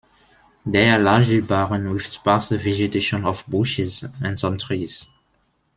They are largely barren, with sparse vegetation of bushes and some trees.